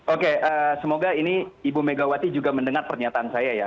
oke semoga ini ibu megawati juga mendengar pernyataan saya ya